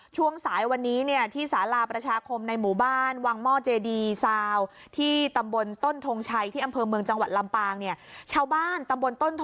ช่วงสายวันนี้ที่สาราประชาคมในหมู่บ้านวางโม่